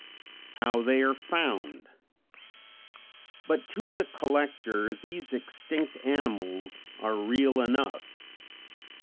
How They are Found. But to the collector these extinct animals are real enough.